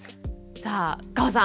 さあ河さん